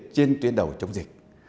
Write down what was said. trên tuyến đầu chống dịch